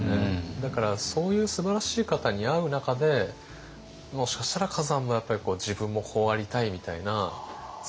だからそういうすばらしい方に会う中でもしかしたら崋山もやっぱり自分もこうありたいみたいな像があったのかもしれませんね。